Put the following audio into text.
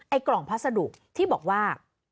กล่องพัสดุที่บอกว่า